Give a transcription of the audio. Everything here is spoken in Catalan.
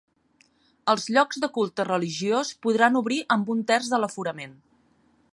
Els llocs de culte religiós podran obrir amb un terç de l’aforament.